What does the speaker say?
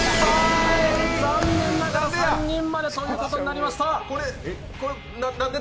残念ながら３人までということになりました。